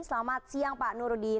selamat siang pak nuruddin